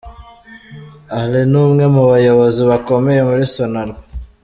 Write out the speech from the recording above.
Allen ni umwe mu bayobozi bakomeye muri Sonarwa